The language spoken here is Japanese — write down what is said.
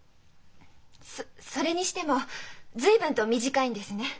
そそれにしても随分と短いんですね。